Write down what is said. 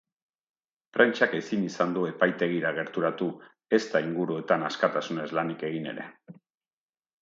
Prentsak ezin izan du epaitegira gerturatu, ezta inguruetan askatasunez lanik egin ere.